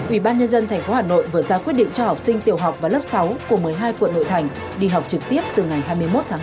ubnd tp hà nội vừa ra quyết định cho học sinh tiểu học và lớp sáu của một mươi hai quận nội thành đi học trực tiếp từ ngày hai mươi một tháng hai